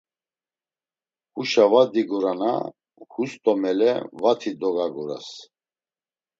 Huşa var digurina hus do mele vati dogaguras.